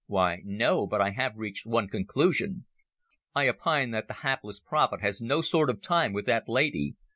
"Why, no, but I have reached one conclusion. I opine that the hapless prophet has no sort of time with that lady.